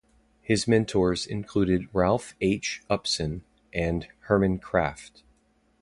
His mentors included Ralph H. Upson and Herman Kraft.